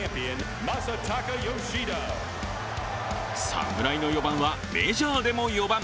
侍の４番はメジャーでも４番。